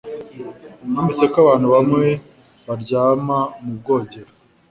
Numvise ko abantu bamwe baryama mubwogero.